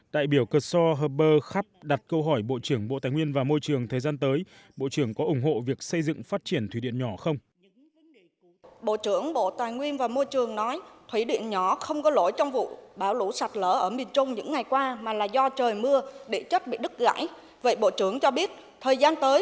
đại biểu kersor herbert kapp đặt câu hỏi bộ trưởng bộ tài nguyên và môi trường thời gian tới